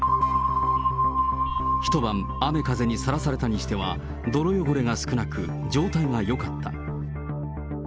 一晩、雨風にさらされたにしては、泥汚れが少なく、状態がよかった。